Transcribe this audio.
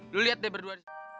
lu liat deh berdua